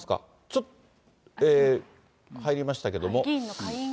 ちょっと、入りましたけれども。